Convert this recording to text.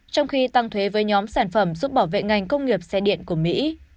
trong khi tăng thuế với nhóm sản phẩm giúp bảo vệ ngành công nghiệp xe điện của mỹ